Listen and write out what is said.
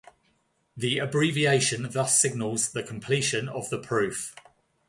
The abbreviation thus signals the completion of the proof.